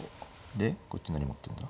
でこっち何持ってんだ？